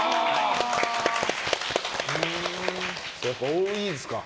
やっぱ多いですか？